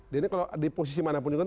dia ini kalau di posisi mana pun juga